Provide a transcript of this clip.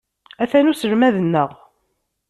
Atan uselmad-nneɣ.